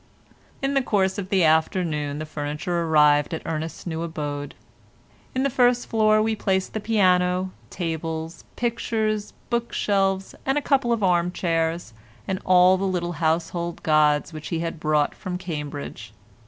In the course of the afternoon the furniture arrived at Ernest's new abode. In the first floor we placed the piano, table, pictures, bookshelves, a couple of arm chairs, and all the little household gods which he had brought from Cambridge.